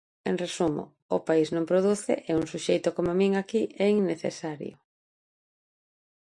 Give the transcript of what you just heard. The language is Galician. En resumo: o país non produce e un suxeito coma min aquí é innecesario.